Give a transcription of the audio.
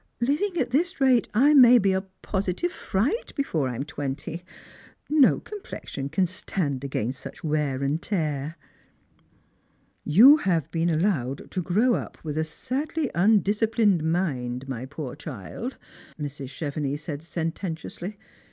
Living at this rate, I rnay be a positive fright before I am twenty; no complexion can stand against such wear and tear." " You have been allowed to grow up with a sadly un disciplined mind, my poor child," Mrs. Chevenix said sen tentiously.